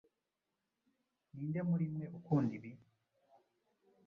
Ninde muri mwe ukunda ibi?